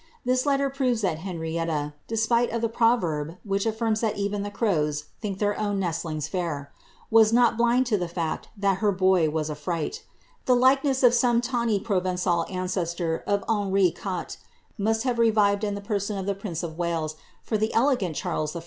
This letter proves It Henrietta — despite of the proverb which affirms that even the crows ok their own nestlings (air — was not blind to the fact that her boy ts a fright The likeness of some tawny Provencal ancestor of Henri tatre most have revived in the person of the prince of Wales, for the ^ot Charles I.